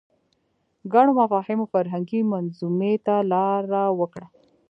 ګڼو مفاهیمو فرهنګي منظومې ته لاره وکړه